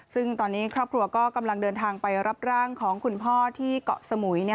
ซึ่งตอนนี้ครอบครัวก็กำลังเดินทางไปรับร่างของคุณพ่อที่เกาะสมุย